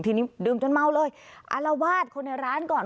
ทีนี้ดื่มจนเมาเลยอารวาสคนในร้านก่อน